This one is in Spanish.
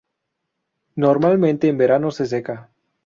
Normalmente en verano se seca.